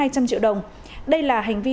hai trăm linh triệu đồng đây là hành vi